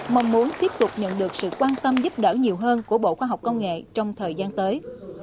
mong muốn tiếp tục nhận được sự quan tâm giúp đỡ nhiều hơn của bộ khoa học công nghệ trong thời gian tới